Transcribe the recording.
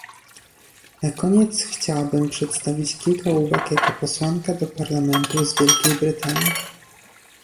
Na koniec chciałabym przedstawić kilka uwag jako posłanka do Parlamentu z Wielkiej Brytanii